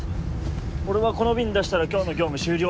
俺はこの便出したら今日の業務終了。